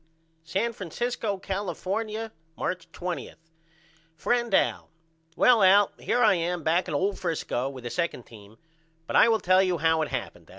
San Francisco, California, March 20. FRIEND AL: Well Al here I am back in old Frisco with the 2d team but I will tell you how it happened Al.